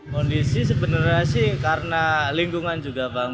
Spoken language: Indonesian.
kondisi sebenarnya sih karena lingkungan juga bang